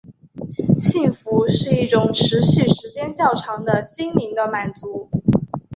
幸福是一种持续时间较长的心灵的满足。